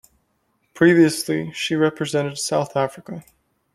Previously, she represented South Africa.